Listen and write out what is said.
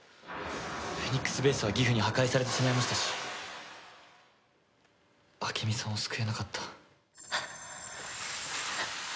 フェニックスベースはギフに破壊されてしまいましたし朱美さんを救えなかった。